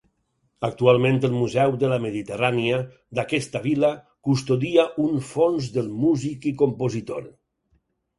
Actualment, el Museu de la Mediterrània, d'aquesta vila, custodia un fons del músic i compositor.